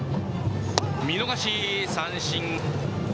見逃し三振。